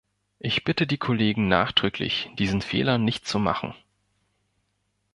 Ich bitte die Kollegen nachdrücklich, diesen Fehler nicht zu machen.